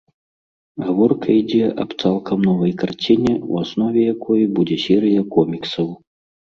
Гаворка ідзе аб цалкам новай карціне, у аснове якой будзе серыя коміксаў.